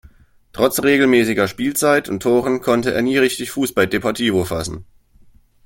Trotz regelmäßiger Spielzeit und Toren konnte er nie richtig Fuß bei Deportivo fassen.